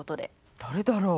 誰だろう？